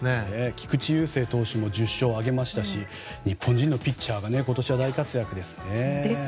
菊池雄星投手も１０勝挙げましたし日本人ピッチャーが今年は大活躍ですね。